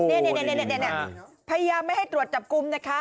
เนี้ยเนี้ยเนี้ยเนี้ยพยายามไม่ให้ตรวจจับกุมนะคะ